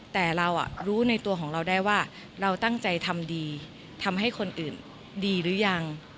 แต่เรารู้ในตัวของเราได้ว่าเราตั้งใจทำดีทำให้คนอื่นดีหรือยัง